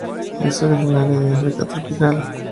Es originaria de África tropical.